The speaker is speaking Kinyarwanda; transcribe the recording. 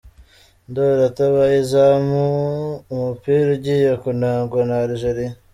Ndori atabaye izamu umupira ugiye kunagwa na Algeria.